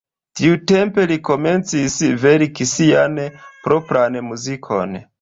Tiutempe li komencis verki sian propran muzikon.